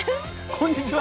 こんにちは！